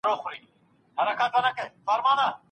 پاڼه د ډاکټره لخوا د لوړ ږغ سره ړنګیږي.